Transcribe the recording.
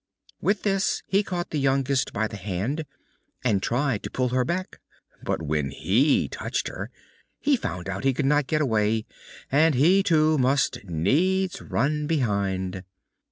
With this he caught the youngest by the hand, and tried to pull her back, but when he touched her he found he could not get away, and he too must needs run behind.